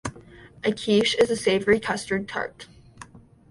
A quiche is a savoury custard tart.